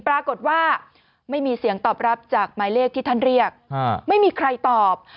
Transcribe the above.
ปรากฏว่าไม่มีเสียงตอบรับจากหมายเลขที่ท่านเรียกไม่มีใครตอบ